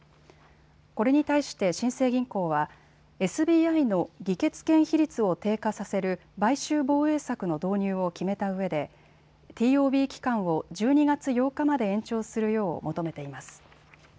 これに対して新生銀行はＳＢＩの議決権比率を低下させる買収防衛策の導入を決めたうえでＴＯＢ期間を１２月８日まで延長するよう求めています。